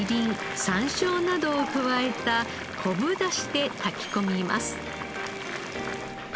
さんしょうなどを加えた昆布だしで炊き込みます。